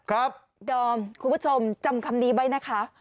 ดอมคุณผู้ชมจำคำนี้ไว้นะคะ